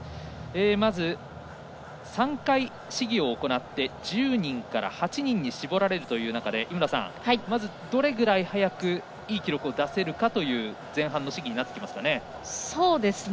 まず３回試技を行って１０人から８人に絞られる中井村さん、まずどれくらい早くいい記録を出せるかという前半の試技になってきますかね。